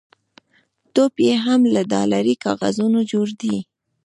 ټوپ یې هم له ډالري کاغذونو جوړ دی.